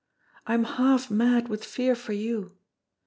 I am half mad with fear for you.